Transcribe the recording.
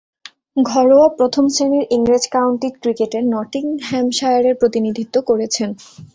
ঘরোয়া প্রথম-শ্রেণীর ইংরেজ কাউন্টি ক্রিকেটে নটিংহ্যামশায়ারের প্রতিনিধিত্ব করেছেন।